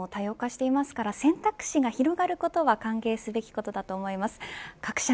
生活様式も多様化していますから選択肢が広がることは歓迎するべきことだと思います。